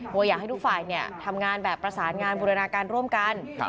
ว่าอยากให้ทุกฝ่ายทำงานแบบประสานงานบูรณาการร่วมกัน